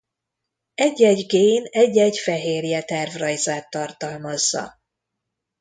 Egy-egy gén egy-egy fehérje tervrajzát tartalmazza.